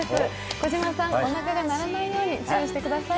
児嶋さん、お腹が鳴らないように注意してください。